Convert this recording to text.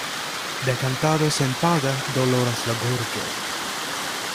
De kantado senpaga doloras la gorĝo.